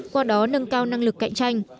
qua đó nâng cao năng lực cạnh tranh